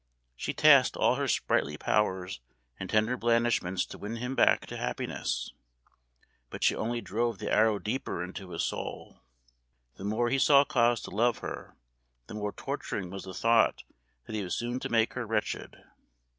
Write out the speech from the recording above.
She tasked all her sprightly powers and tender blandishments to win him back to happiness; but she only drove the arrow deeper into his soul. The more he saw cause to love her, the more torturing was the thought that he was soon to make her wretched.